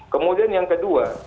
kemudian yang kedua